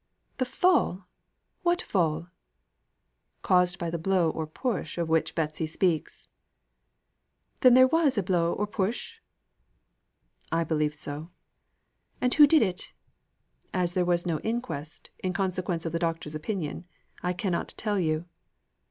"The fall! What fall?" "Caused by the blow or push of which Betsy speaks." "Then there was a blow or push?" "I believe so." "And who did it?" "As there was no inquest, in consequence of the doctor's opinion I cannot tell you."